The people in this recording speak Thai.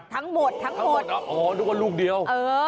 ทั้งหมดโอ้นึกว่าลูกเดียว